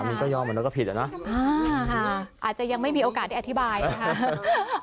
อันนี้ก็ยอมแล้วก็ผิดแล้วนะอ่าอาจจะยังไม่มีโอกาสได้อธิบายนะคะ